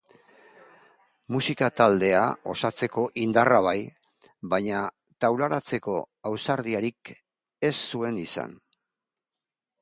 Musika taldea osatzeko indarra bai, baina taularatzeko ausardiarik ez zuen izan.